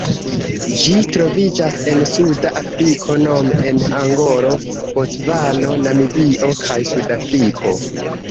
Ĝi troviĝas en Suda Afriko nome en Angolo, Bocvano, Namibio kaj Sudafriko.